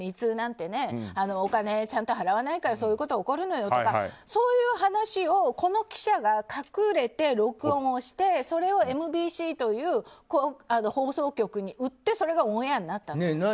ＭｅＴｏｏなんてお金をちゃんと払わないからそういうことが起こるのよとかそういう話をこの記者が隠れて録音をしてそれをＭＢＣという放送局に売ってそれがオンエアになったと。